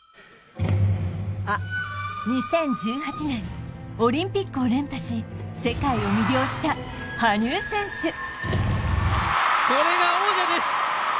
２０１８年オリンピックを連覇し世界を魅了した羽生選手